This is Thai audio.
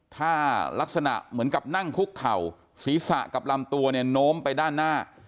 ถ้ารักษณะเหมือนกับนั่งคุกเข่าศีรษะกับลำตัวเนี่ยโน้มไปด้านหน้า